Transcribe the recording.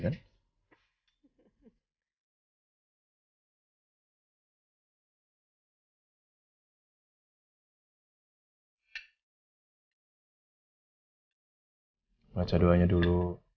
kalo ga habis makan sendiri